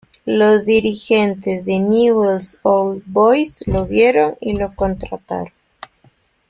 Los dirigentes de Newell's Old Boys lo vieron y lo contrataron.